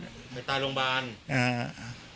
ไม่ตายโรงพยาบาล